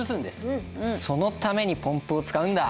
そのためにポンプを使うんだ。